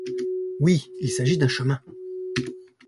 Oui, il s’agit d’un chemin.